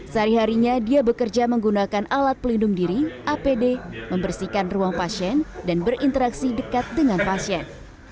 sehari harinya dia bekerja menggunakan alat pelindung diri apd membersihkan ruang pasien dan berinteraksi dekat dengan pasien